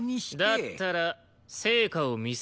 だったら成果を見せますよ。